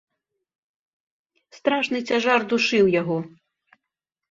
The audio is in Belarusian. Страшны цяжар душыў яго.